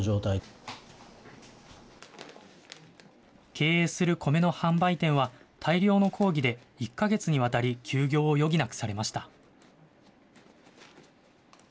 経営する米の販売店は、大量の抗議で１か月にわたり休業を余儀なくされました。